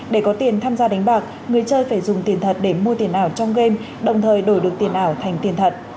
để có tiền tham gia đánh bạc người chơi phải dùng tiền thật để mua tiền ảo trong game đồng thời đổi được tiền ảo thành tiền thật